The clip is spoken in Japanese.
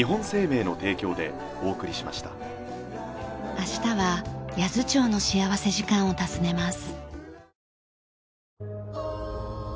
明日は八頭町の幸福時間を訪ねます。